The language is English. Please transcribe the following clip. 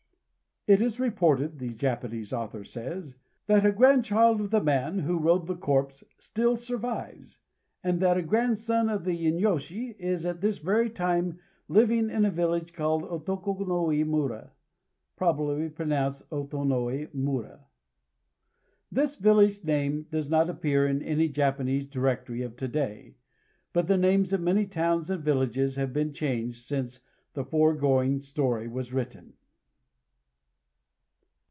"It is reported," the Japanese author says, "that a grandchild of the man [who rode the corpse] still survives, and that a grandson of the inyôshi is at this very time living in a village called Otokunoi mura [probably pronounced Otonoi mura]." This village name does not appear in any Japanese directory of to day. But the names of many towns and villages have been changed since the foregoing story was written.